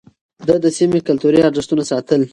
ده د سيمې کلتوري ارزښتونه ساتل.